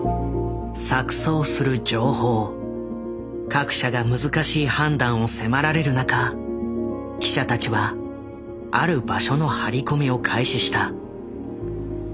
各社が難しい判断を迫られる中記者たちはある場所の張り込みを開始した。